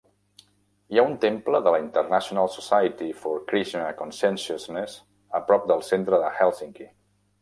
Hi ha un temple de la International Society for Krishna Consciousness a prop del centre de Hèlsinki.